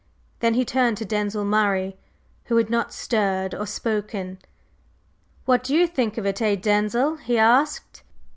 Then he turned to Denzil Murray, who had not stirred or spoken. "What do you think of it, eh, Denzil?" he asked.